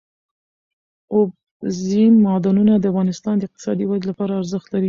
اوبزین معدنونه د افغانستان د اقتصادي ودې لپاره ارزښت لري.